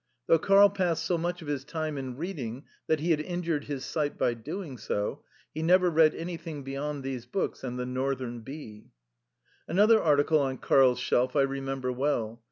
Though Karl passed so much of his time in reading that he had injured his sight by doing so, he never read anything beyond these books and The Northern Bee. Another article on Karl's shelf I remember well.